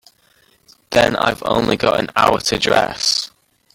Then I've only got an hour to dress.